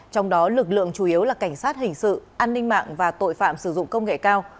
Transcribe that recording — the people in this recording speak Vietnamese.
trong đó lực lượng chủ yếu là cảnh sát hình sự an ninh mạng và tội phạm sử dụng công nghệ cao